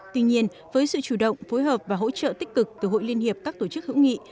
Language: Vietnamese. tuy nhiên với sự chủ động phối hợp và hỗ trợ tích cực từ hội liên hiệp các tổ chức hữu nghị